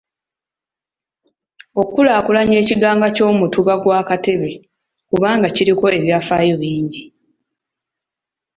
Okulaakulanya ekigango ky'Omutuba gwa Katebe kubanga kiriko ebyafaayo bingi.